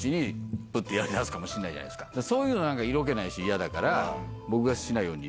そういうの色気ないし嫌だから。